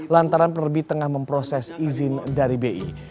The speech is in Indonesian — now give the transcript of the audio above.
lantaran penerbit tengah memproses izin dari bi